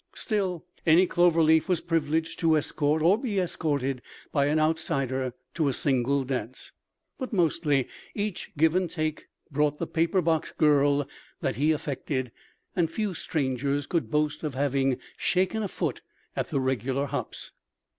Still, any Clover Leaf was privileged to escort or be escorted by an outsider to a single dance. But mostly each Give and Take brought the paper box girl that he affected; and few strangers could boast of having shaken a foot at the regular hops.